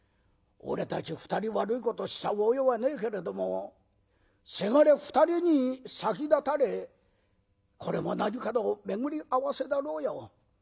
俺たち２人悪いことした覚えはねえけれどもせがれ２人に先立たれこれも何かの巡り合わせだろうよ。